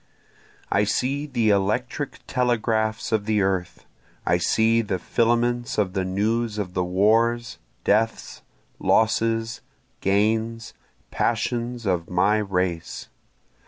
I see the electric telegraphs of the earth, I see the filaments of the news of the wars, deaths, losses, gains, passions, of my race.